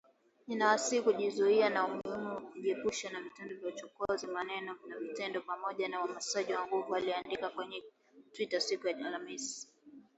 “Ninawasihi kujizuia na ni muhimu kujiepusha na vitendo vya uchokozi, kwa maneno na vitendo, pamoja na uhamasishaji wa nguvu” aliandika kwenye Twitter siku ya Alhamisi